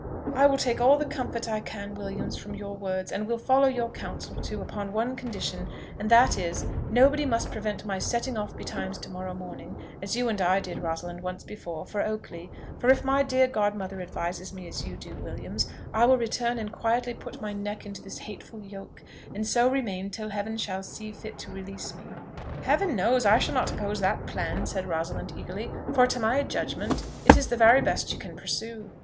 "I will take all the comfort I can, Williams, from your words, and will follow your counsel too, upon one condition; and that is, nobody must prevent my setting off betimes to morrow morning, as you and I did, Rosalind, once before, for Oakley. If my dear godmother advises me as you do, Williams, I will return and quietly put my neck into this hateful yoke, and so remain till Heaven shall see fit to release me." "Heaven knows, I shall not oppose that plan," said Rosalind eagerly; "for to my judgment, it is the very best you can pursue."